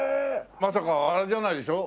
まさかあれじゃないでしょ？